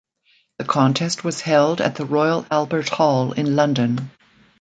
The contest was held at the Royal Albert Hall in London.